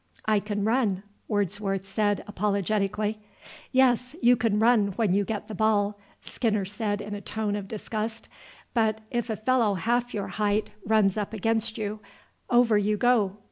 "I can run," Wordsworth said apologetically. "Yes, you can run when you get the ball," Skinner said in a tone of disgust; "but if a fellow half your height runs up against you, over you go.